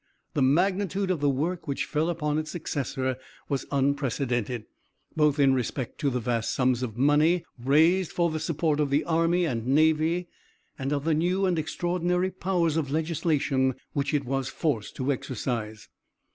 The magnitude of the work which fell upon its successor was unprecedented, both in respect to the vast sums of money raised for the support of the army and navy, and of the new and extraordinary powers of legislation which it was forced to exercise.